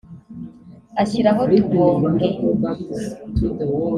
ashyiraho tubonge